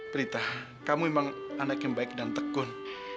berita kamu emang anak yang baik dan tekun